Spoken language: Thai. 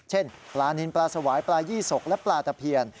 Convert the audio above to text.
เช่นปลานินปลาสวายปลายี่สกและปลาตะเพียน